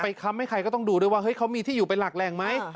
ค้ำให้ใครก็ต้องดูด้วยว่าเฮ้ยเขามีที่อยู่เป็นหลักแหล่งไหม